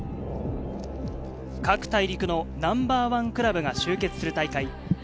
各大陸のナンバーワンクラブが集結する大会。